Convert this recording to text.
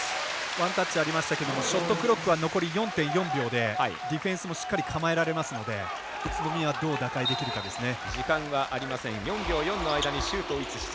ワンタッチありましたがショットクロックは残り４．４秒でディフェンスもしっかり構えられますので宇都宮はどう打開できるかですね。